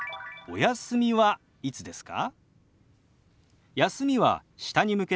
「お休みはいつですか？」。